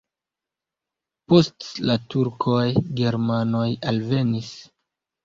Post la turkoj germanoj alvenis.